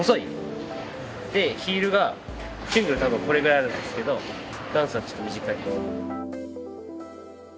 でヒールがシングルは多分これぐらいあるんですけどダンスはちょっと短いです。